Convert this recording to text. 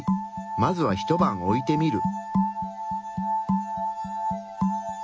まずはひと晩置いてみる。